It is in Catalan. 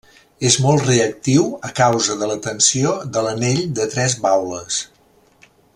És molt reactiu a causa de la tensió de l'anell de tres baules.